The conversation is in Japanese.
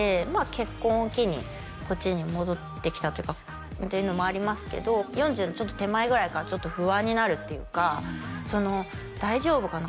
結婚を機にこっちに戻ってきたというかっていうのもありますけど４０のちょっと手前ぐらいからちょっと不安になるっていうか大丈夫かな？